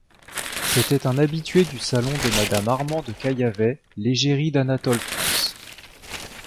C'était un habitué du salon de Madame Arman de Caillavet, l'égérie d'Anatole France.